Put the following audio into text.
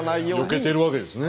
よけてるわけですね。